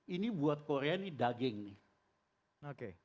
ini buat korea ini daging nih